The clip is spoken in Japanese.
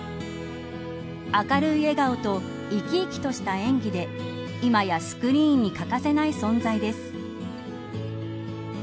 明るい笑顔と生き生きとした演技で今やスクリーンに欠かせない存在です。